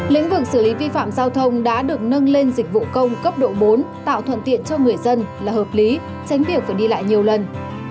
lĩnh vực xử lý vi phạm giao thông đã được nâng lên dịch vụ công cấp độ bốn tạo thuận tiện cho người dân là hợp lý tránh việc phải đi lại nhiều lần